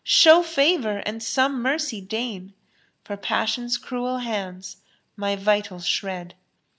show favour and some mercy deign, * For Passion's cruel hands my vitals shred."